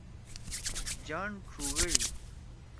جان ڇُوگئی۔